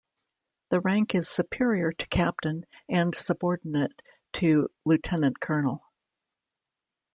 The rank is superior to captain, and subordinate to lieutenant colonel.